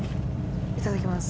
いただきます。